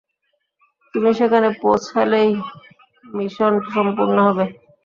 তুমি সেখানে পৌঁছালেই মিশন সম্পূর্ণ হবে।